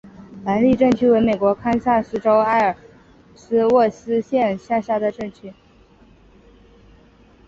兰利镇区为美国堪萨斯州埃尔斯沃思县辖下的镇区。